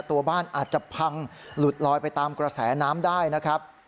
ตัวบ้านอาจจะพังหลุดลอยไปตามกระแสน้ำได้นะครับ